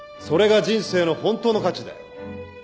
それが人生の本当の価値だよ。